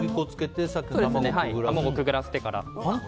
くぐらせてから。